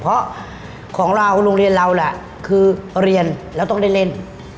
เพราะของเราโรงเรียนเราแหละคือเรียนแล้วต้องได้เล่น